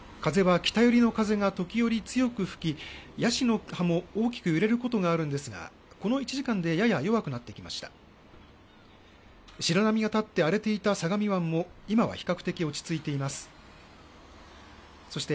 風は北寄りの風が時折強く吹きヤシの木も大きく揺れることがあるんですが、この１時間でやや弱くなってきました。